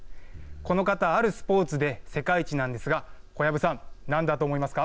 この方、あるスポーツで世界一なんですが小籔さん、なんだと思いますか。